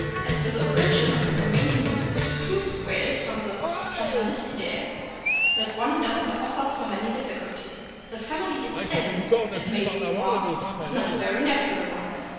As to the origin of the remaining groups of toothed whales from the Platanistidae, that does not offer so many difficulties. The family itself, it may be re marked, is not a very natural one.